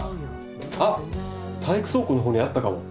あっ体育倉庫のほうにあったかも。